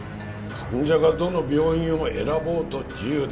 患者がどの病院を選ぼうと自由だ。